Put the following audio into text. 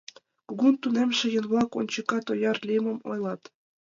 Кугун тунемше еҥ-влак ончыкат ояр лиймым ойлат.